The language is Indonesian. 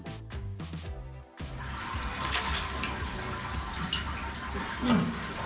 bangun banget susu bang